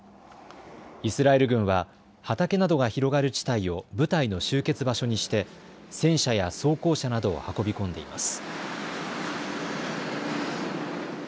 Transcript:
イスラエル軍は畑などが広がる地帯を部隊の集結場所にして戦車や装甲車などを運び込んでいます。